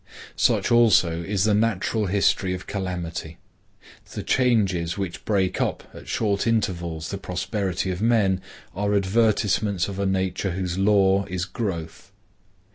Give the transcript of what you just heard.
Such also is the natural history of calamity. The changes which break up at short intervals the prosperity of men are advertisements of a nature whose law is growth.